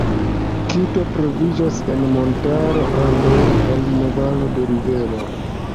Kito troviĝas en montaro Andoj en valo de rivero.